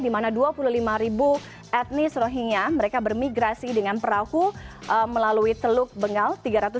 di mana dua puluh lima ribu etnis rohingya mereka bermigrasi dengan perahu melalui teluk bengal